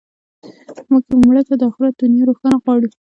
مړه ته د آخرت دنیا روښانه غواړو